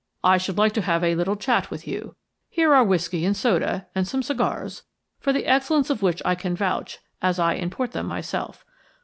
"I should like to have a little chat with you. Here are whisky and soda, and some cigars, for the excellence of which I can vouch, as I import them myself.